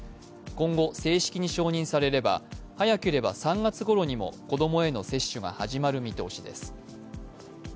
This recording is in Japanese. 今後正式に承認されれば早ければ３月ごろにも、子供への接種が始まる見通しです。